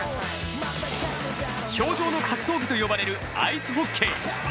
氷上の格闘技と呼ばれるアイスホッケー。